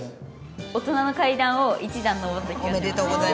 大人の階段を一段上った気がします。